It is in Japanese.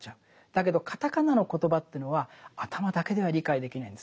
だけどカタカナのコトバというのは頭だけでは理解できないんです。